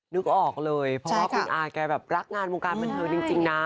นึกออกเลยเพราะคุณอาจริงแบบรักงานมงการมันเธอจริงนะ